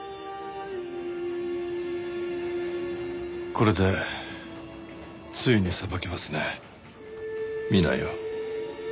これでついに裁けますね南井を。